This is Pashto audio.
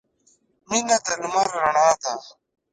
• مینه د لمر رڼا ده.